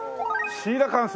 シーラカンス。